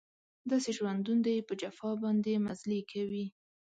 داسې ژوندون دی په جفا باندې مزلې کوي